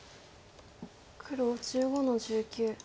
黒１５の十九。